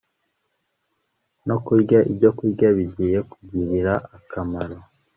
no kurya ibyokurya bigiye kugirira akamaro